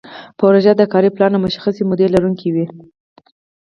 پروژه د کاري پلان او مشخصې مودې لرونکې وي.